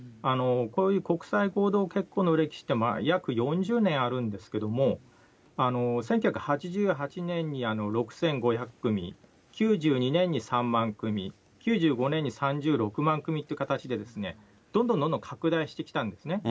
こういう国際合同結婚の歴史って、約４０年あるんですけども、１９８８年に６５００組、９２年に３万組、９５年に３６万組という形で、どんどんどんどん拡大してきたんですね。